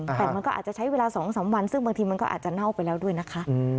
แต่มันก็อาจจะใช้เวลา๒๓วันซึ่งบางทีมันก็อาจจะเน่าไปแล้วด้วยนะคะ